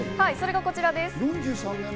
それがこちらです。